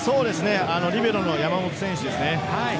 リベロの山本選手です。